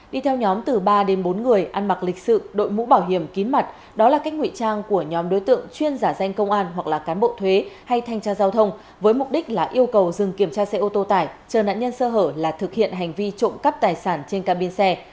đi theo nhóm từ ba đến bốn người ăn mặc lịch sự đội mũ bảo hiểm kín mặt đó là cách nguy trang của nhóm đối tượng chuyên giả danh công an hoặc là cán bộ thuế hay thanh tra giao thông với mục đích là yêu cầu dừng kiểm tra xe ô tô tải chờ nạn nhân sơ hở là thực hiện hành vi trộm cắp tài sản trên cabin xe